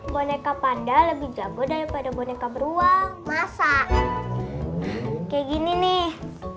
boneka panda lebih jago daripada boneka beruang masak kayak gini nih